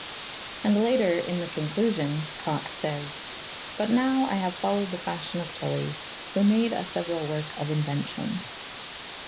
"' And later, in the " Conclusion," Cox says :" But nowe I haue folowed the facion of Tully, who made a seuerall werke of inuencion."